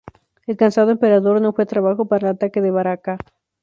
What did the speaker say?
El cansado emperador no fue trabajo para el ataque de Baraka.